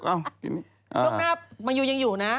ลูกนับมายูยังอยู่นะ